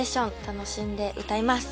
楽しんで歌います。